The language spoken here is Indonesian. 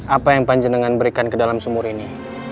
apa yang panjenengan berikan ke dalam sumur ini